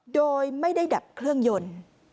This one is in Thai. โดยไม่ได้ดับเครื่องยนต์